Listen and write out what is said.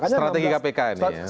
strategi kpk ini ya